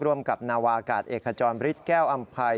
ร่วมกับนาวากาศเอกขจรฤทธิแก้วอำภัย